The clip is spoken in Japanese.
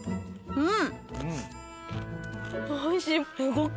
うん。